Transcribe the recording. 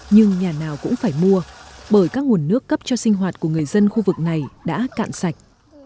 nhưng nhà nào cũng phải mua bởi các nguồn nước cấp cho sinh hoạt của người dân khu vực này đã cạn sạch